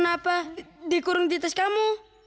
kenapa dikurung di tas kamu